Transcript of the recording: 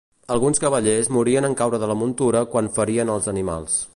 Alguns cavallers morien en caure de la muntura quan ferien els animals.